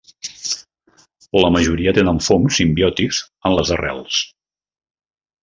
La majoria tenen fongs simbiòtics en les arrels.